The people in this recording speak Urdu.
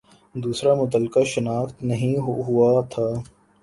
دوسرا متعلقہ شناخت نہیں ہوا تھا